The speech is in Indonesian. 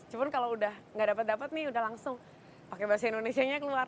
cuma kalau udah nggak dapet dapet nih udah langsung pakai bahasa indonesia nya keluar